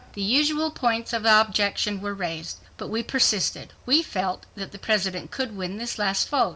The usual points of objection were raised. But we persisted. We felt that the President could win this last vote.